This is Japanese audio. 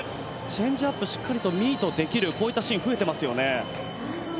チェンジアップをしっかりとミートできる、こういったシーン増えてますよね。